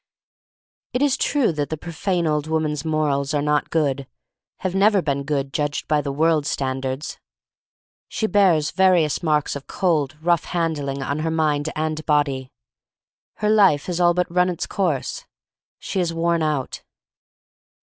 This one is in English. It is true that the profane old woman's morals are not good — have never been good — judged by the world's standards. She bears various marks of cold, rough handling on her mind and body. Her life has all but run its course. She is worn out.